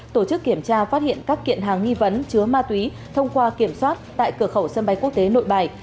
tổ chức kiểm tra phát hiện các kiện hàng nghi vấn chứa ma túy thông qua kiểm soát tại cửa khẩu sân bay quốc tế nội bài